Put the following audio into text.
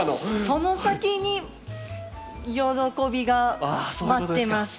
その先に喜びが待ってます。